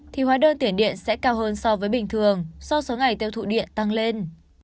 thì hóa đơn tiền điện sẽ cao hơn so với bình thường do số ngày tiêu thụ điện tăng lên